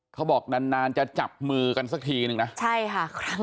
เขาบอกนานนานจะจับมือกันสักทีนึงนะใช่ค่ะ